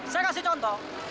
saya kasih contoh